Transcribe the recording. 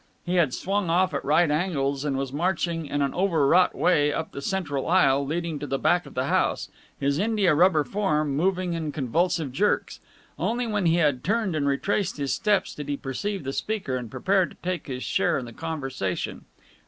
He had swung off at right angles and was marching in an overwrought way up the central aisle leading to the back of the house, his india rubber form moving in convulsive jerks. Only when he had turned and retraced his steps did he perceive the speaker and prepare to take his share in the conversation.